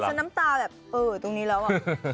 ช่างน้ำตาแบบเอ้อตรงนี้ล่ะว่ะ